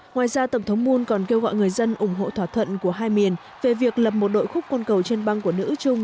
ngoài ra tổng thống moon còn kêu gọi người dân ủng hộ thỏa thuận của hai miền về việc lập một đội khúc quân cầu trên băng của nữ chung